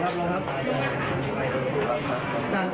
ยังไม่มีฝ่ายกล้อง